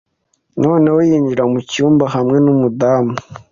noneho yinjira mucyumba hamwe numudamu,